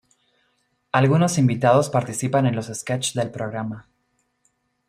Algunos invitados participan en los sketch del programa.